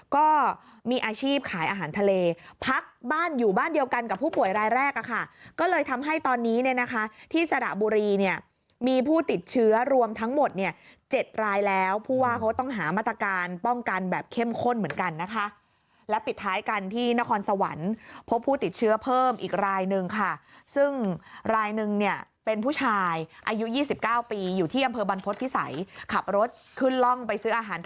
ก็มีอาชีพขายอาหารทะเลพักบ้านอยู่บ้านเดียวกันกับผู้ป่วยรายแรกอ่ะค่ะก็เลยทำให้ตอนนี้เนี่ยนะคะที่สระบุรีเนี่ยมีผู้ติดเชื้อรวมทั้งหมดเนี่ยเจ็ดรายแล้วเพราะว่าเขาต้องหามาตรการป้องกันแบบเข้มข้นเหมือนกันนะคะแล้วปิดท้ายกันที่นครสวรรค์พบผู้ติดเชื้อเพิ่มอีกรายหนึ่งค่ะซึ่งรายหนึ่งเน